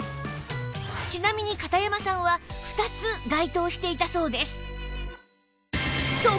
ちなみに片山さんは２つ該当していたそうです